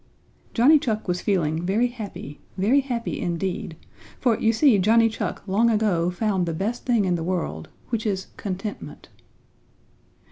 Johnny Chuck was feeling very happy very happy indeed, for you see Johnny Chuck long ago found the best thing in the world, which is contentment.